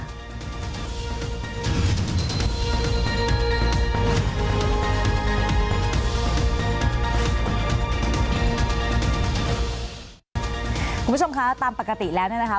คุณผู้ชมคะตามปกติแล้วนะครับ